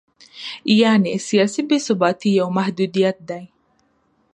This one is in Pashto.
یعنې سیاسي بې ثباتي یو محدودیت دی.